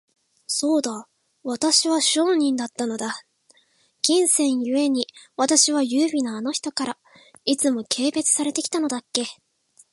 そうだ、私は商人だったのだ。金銭ゆえに、私は優美なあの人から、いつも軽蔑されて来たのだっけ。